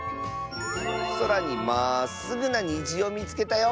「そらにまっすぐなにじをみつけたよ！」。